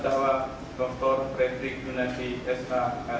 atas nama terdakwa dr fredrik yunadi s a lnm npr